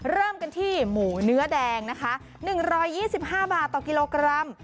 เริ่มกันที่หมูเนื้อแดงนะคะ๑๒๕บาทต่อกิโลกรัม